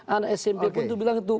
anak smp pun tuh bilang itu